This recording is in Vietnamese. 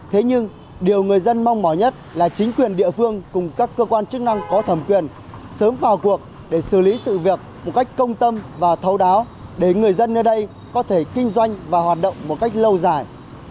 thế nhưng điều người dân mong mỏi nhất là chính quyền địa phương cùng các cơ quan chức năng có thẩm quyền sớm vào cuộc để xử lý sự việc một cách công tâm và thấu đáo để người dân nơi đây có thể kinh doanh và hoạt động một cách lâu dài